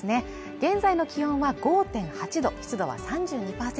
現在の気温は５．８度湿度は３２％